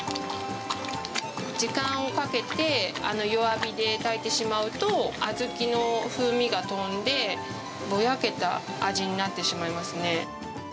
時間をかけて、弱火で炊いてしまうと、小豆の風味が飛んで、ぼやけた味になってしまいますね。